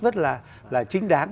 rất là chính đáng